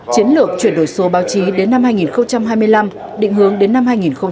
chiến lược chuyển đổi số báo chí đến năm hai nghìn hai mươi năm định hướng đến năm hai nghìn ba mươi